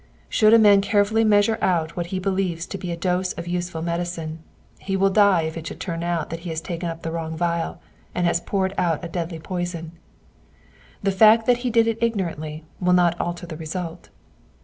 Should a man carefully measure out what he believes to be a dose of useful medicine, he will die if it should turn out that ho has taken up the wrong vial, and has poured out a deadly poison : the fact that he did it ignorantly will not alter the result.